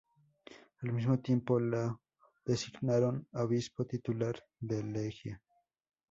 Al mismo tiempo, lo designaron obispo titular de Legia.